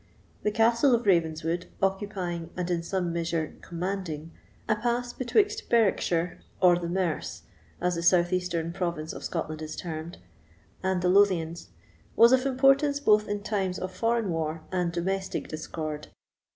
The Castle of Ravenswood, occupying, and in some measure commanding, a pass betweixt Berwickshire, or the Merse, as the southeastern province of Scotland is termed, and the Lothians, was of importance both in times of foreign war and domestic discord.